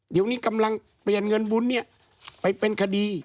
เดี๋ยวนี้กำลังเปลี่ยนเงินบุญเนี่ยไปเป็นคดี